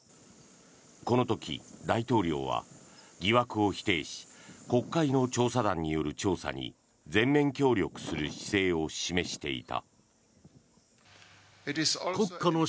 この時、大統領は疑惑を否定し国会の調査団による調査に全面協力する姿勢を示していた。